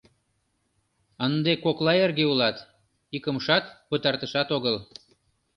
Ынде кокла эрге улат, икымшат, пытартышат огыл.